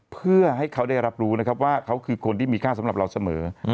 เพื่อให้เขาได้รับรู้นะครับว่าเขาคือคนที่มีค่าสำหรับเราเสมอ